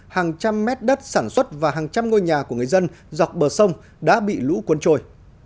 hàng trăm mét đất sản xuất và hàng trăm ngôi nhà của người dân dọc bờ sông đã bị lũ cuốn trôi